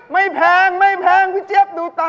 แพงไม่แพงพี่เจี๊ยบดูตา